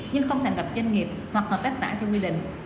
nhưng không thành gặp doanh nghiệp hoặc hợp tác xã theo quy định